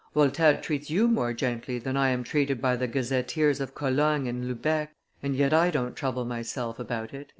Voltaire treats you more gently than I am treated by the gazetteers of Cologne and Lubeck, and yet I don't trouble myself about it."